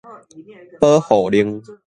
保護令